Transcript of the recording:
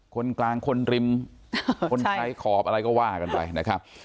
คนกลางคนริมคนใช้ขอบอะไรก็ว่ากันไปนะครับ